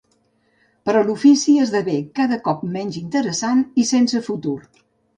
Però l'ofici esdevé cada cop menys interessant i sense futur.